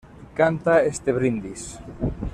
Canta este brindis.